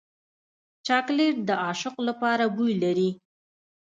چاکلېټ د عاشق لپاره بوی لري.